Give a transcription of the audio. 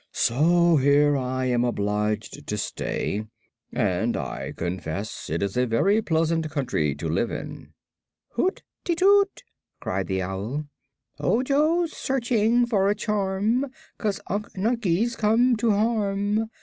So here I am obliged to stay, and I confess it is a very pleasant country to live in." "Hoot ti toot!" cried the owl; "Ojo's searching for a charm, 'Cause Unc Nunkie's come to harm.